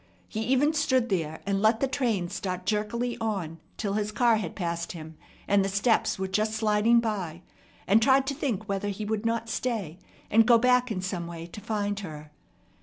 He even stood there, and let the train start jerkily on till his car had passed him, and the steps were just sliding by, and tried to think whether he would not stay, and go back in some way to find her.